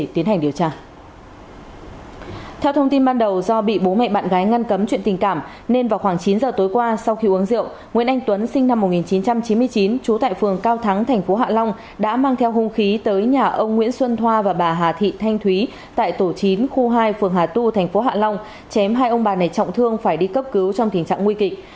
theo thông tin ban đầu do bị bố mẹ bạn gái ngăn cấm chuyện tình cảm nên vào khoảng chín giờ tối qua sau khi uống rượu nguyễn anh tuấn sinh năm một nghìn chín trăm chín mươi chín chú tại phường cao thắng tp hạ long đã mang theo hung khí tới nhà ông nguyễn xuân thoa và bà hà thị thanh thúy tại tổ chín khu hai phường hà tu tp hạ long chém hai ông bà này trọng thương phải đi cấp cứu trong tình trạng nguy kịch